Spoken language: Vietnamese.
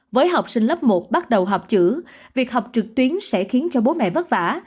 với học sinh lớp một bắt đầu học chữ việc học trực tuyến sẽ khiến cho bố mẹ vất vả